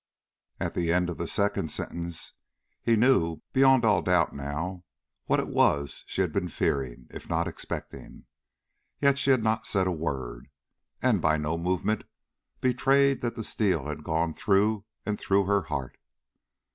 At the end of the second sentence he knew, beyond all doubt now, what it was she had been fearing, if not expecting. Yet she said not a word, and by no movement betrayed that the steel had gone through and through her heart.